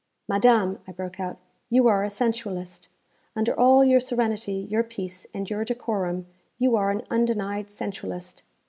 'Madame,' I broke out, 'you are a sensualist. Under all your serenity, your peace, and your decorum, you are an undenied sensualist.